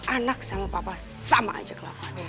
anak sama papa sama aja kelapa